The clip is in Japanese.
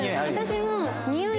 私も。